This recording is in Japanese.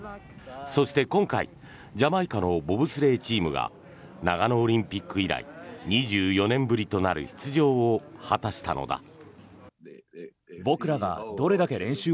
そして、今回ジャマイカのボブスレーチームが長野オリンピック以来２４年ぶりとなる出場を果たしたのだ。